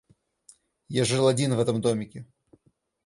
Я жил один в этом домике.